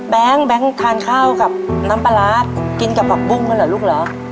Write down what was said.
แก๊งแบงค์ทานข้าวกับน้ำปลาร้ากินกับผักบุ้งกันเหรอลูกเหรอ